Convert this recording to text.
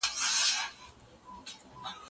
دا وخت راځي چې په ځان پوهه پيدا کړي.